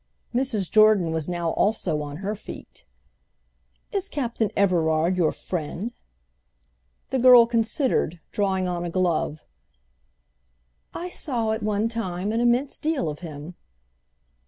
Mrs. Jordan was now also on her feet. "Is Captain Everard your friend?" The girl considered, drawing on a glove. "I saw, at one time, an immense deal of him."